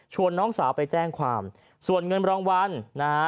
น้องสาวไปแจ้งความส่วนเงินรางวัลนะฮะ